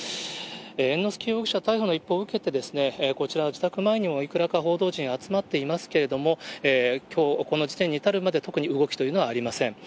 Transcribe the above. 猿之助容疑者逮捕の一報を受け、こちら自宅前にも、いくらか報道陣、集まっていますけれども、きょう、この時点に至るまで、特に動きというのはありません。